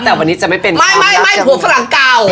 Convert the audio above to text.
แต่วันนี้จะไม่เป็นไม่ไม่ผัวฝรั่งเก่า